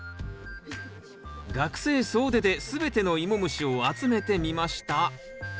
学生総出で全てのイモムシを集めてみました